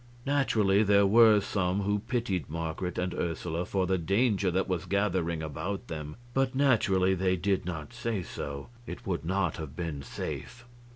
Naturally there were some who pitied Marget and Ursula for the danger that was gathering about them, but naturally they did not say so; it would not have been safe.